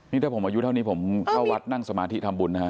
นี่ถ้าผมอายุเท่านี้ผมเข้าวัดนั่งสมาธิทำบุญนะฮะ